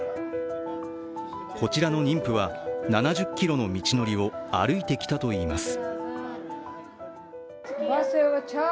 こちらの妊婦の女性は７０ｋｍの道のりを歩いてきたといいます。